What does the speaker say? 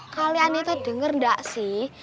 kalian teh dengar tidak sih